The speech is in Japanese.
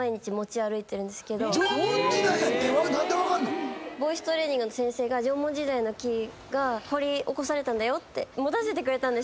縄文時代って何で分かんの⁉ボイストレーニングの先生が「縄文時代の木が掘り起こされたんだよ」って持たせてくれたんですよ。